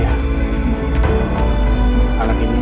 ya anak ini boleh tinggal sama kita